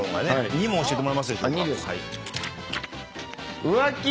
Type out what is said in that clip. ２も教えてもらえますでしょうか？